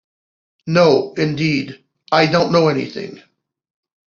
No, indeed; I don't know anything.